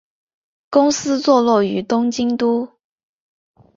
公司坐落于东京都。